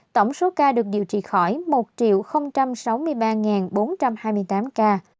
tổng số ca được điều trị khỏi một sáu mươi ba bốn trăm hai mươi tám ca